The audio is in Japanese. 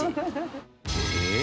えっ？